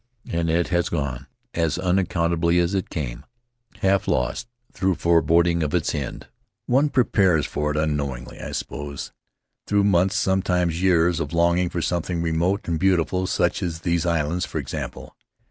and it has gone as unaccountably as it came, half lost through foreboding of its end. One prepares for it unknowingly, I suppose, through months, sometimes years, of longing for something remote and beautiful — such as these islands, for example.